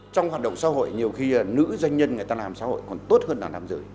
trong hoạt động xã hội nhiều khi nữ doanh nhân người ta làm xã hội còn tốt hơn là nam giới